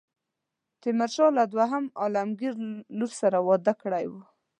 تیمورشاه له دوهم عالمګیر لور سره واده کړی وو.